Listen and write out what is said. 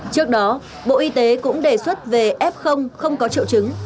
trước đó bộ y tế cũng đề xuất về f không có triệu chứng